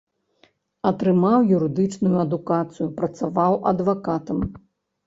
Атрымаў юрыдычную адукацыю, працаваў адвакатам.